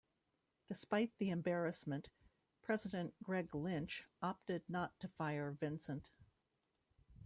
Despite the embarrassment, President Greg Lynch opted not to fire Vincent.